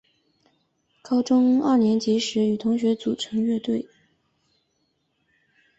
高中二年级时与同学组成乐队。